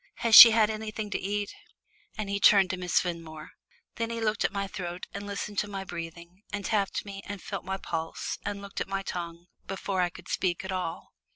Has she had anything to eat?" and he turned to Miss Fenmore. Then he looked at my throat and listened to my breathing, and tapped me and felt my pulse and looked at my tongue before I could speak at all.